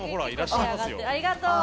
ありがとう。